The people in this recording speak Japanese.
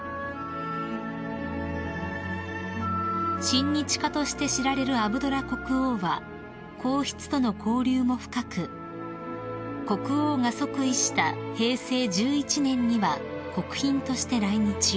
［親日家として知られるアブドラ国王は皇室との交流も深く国王が即位した平成１１年には国賓として来日］